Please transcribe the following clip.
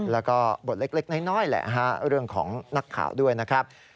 แล้วก็บทเล็กน้อยแหละเรื่องของนักข่าวด้วยนะครับ